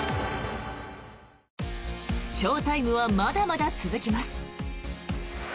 翔タイムはまだまだ続きます。